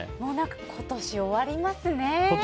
今年終わりますね。